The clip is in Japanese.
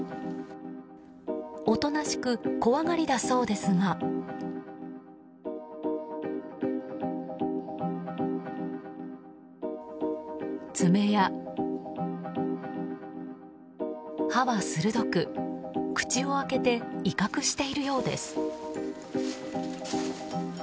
おとなしく、怖がりだそうですが爪や歯は鋭く口を開けて威嚇しているようです。